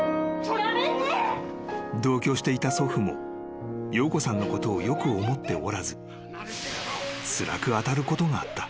［同居していた祖父も洋子さんのことをよく思っておらずつらく当たることがあった］